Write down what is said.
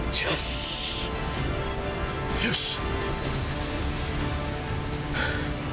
よし！